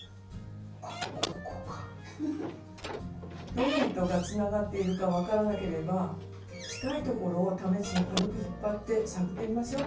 どの糸がつながっているか分からなければ近いところを試しに軽く引っ張って探ってみましょう。